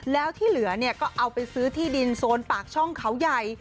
แล้วที่เหลือเนี่ยก็เอาไปซื้อที่ดินโซนปากช่องเขาใหญ่